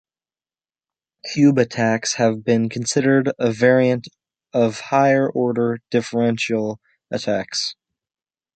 Cube attacks have been considered a variant of higher-order differential attacks.